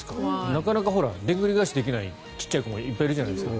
なかなかでんぐり返しできない小さい子もいっぱいいるじゃないですか。